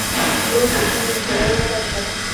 • لور د ژوند د ښکلا یوه برخه ده.